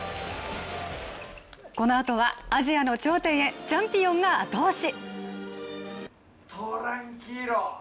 このあとはアジアの頂点へ、チャンピオンが後押し。